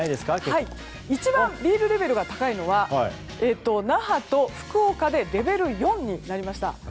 一番ビールレベルが高いのは那覇と福岡でレベル４になりました。